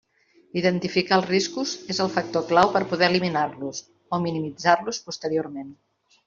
Identificar els riscos és el factor clau per poder eliminar-los o minimitzar-los posteriorment.